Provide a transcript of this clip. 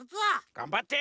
がんばって！